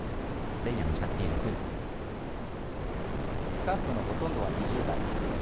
スタッフのほとんどは２０代。